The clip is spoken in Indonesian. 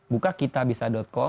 buka kitabisa com slash pesen